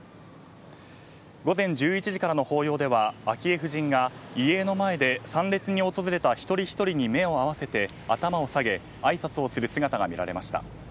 午前１１時からの法要では昭恵夫人が遺影の前で参列に訪れた一人一人に目を合わせて頭を下げ挨拶をする姿が見られました。